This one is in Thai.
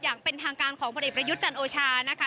อย่างเป็นทางการของผลเอกประยุทธ์จันโอชานะคะ